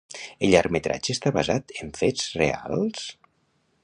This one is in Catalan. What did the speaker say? El llargmetratge està basat en fets reals?